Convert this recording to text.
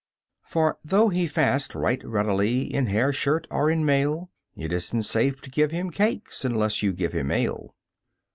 For though he fast right readily In hair shirt or in mail, It isn't safe to give him cakes Unless you give him ale.